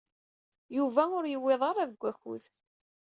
Yuba ur yewwiḍ ara deg wakud.